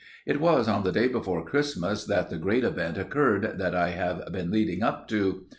It was on the day before Christmas that the great event occurred that I have been leading up to.